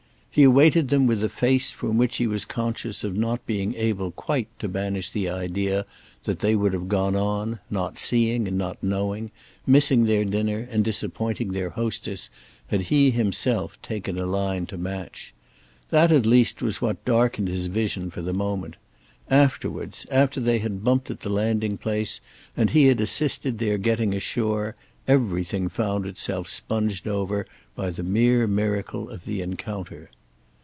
He awaited them with a face from which he was conscious of not being able quite to banish this idea that they would have gone on, not seeing and not knowing, missing their dinner and disappointing their hostess, had he himself taken a line to match. That at least was what darkened his vision for the moment. Afterwards, after they had bumped at the landing place and he had assisted their getting ashore, everything found itself sponged over by the mere miracle of the encounter.